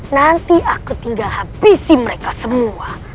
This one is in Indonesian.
nanti aku tinggal habisin mereka semua